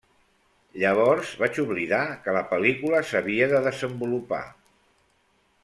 Llavors vaig oblidar que la pel·lícula s'havia de desenvolupar.